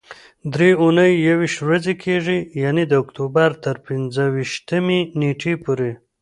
درې اونۍ یويشت ورځې کېږي، یعنې د اکتوبر تر پنځه ویشتمې نېټې پورې.